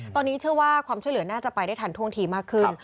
ตอนนี้เชื่อว่าความช่วยเหลือน่าจะไปได้ทันท่วงทีมากขึ้น